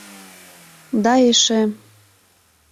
Да эше...